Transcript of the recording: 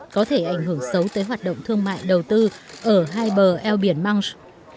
có thể ảnh hưởng xấu tới hoạt động thương mại đầu tư ở hai bờ eo biển mungs